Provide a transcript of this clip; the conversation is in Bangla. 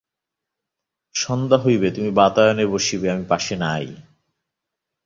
সন্ধ্যা হইবে, তুমি বাতায়নে আসিয়া বসিবে, আমি পাশে নাই?